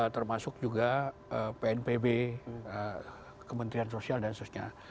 termasuk juga pnpb kementerian sosial dan seterusnya